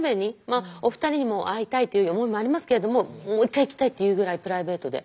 まあお二人にも会いたいという思いもありますけれどももう一回行きたいっていうぐらいプライベートで。